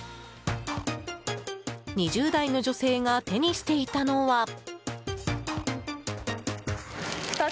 ２０代の女性が手にしていたのは。